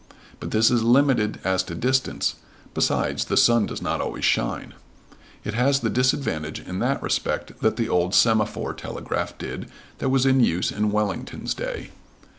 But this is limited as to distance; besides, the sun does not always shine. It has the disadvantage in that respect that the old semaphore telegraph did that was in use in Wellington's day.